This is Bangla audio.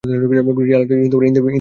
জেলাটি ইন্দোর বিভাগের অন্তর্গত।